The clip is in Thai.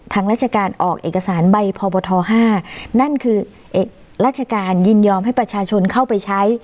ทางราชการออกเอกสารใบพบท๕นั่นคือราชการยินยอมให้ประชาชนเข้าไปใช้